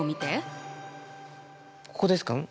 ここですか？